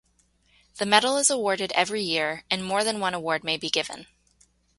The medal is awarded every year, and more than one award may be given.